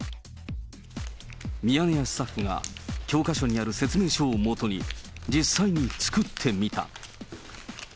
ミヤネ屋スタッフが教科書にある説明書をもとに、実際に作ってみた。